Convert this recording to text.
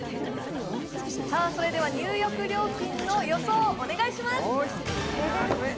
それでは、入浴料金の予想をお願いします。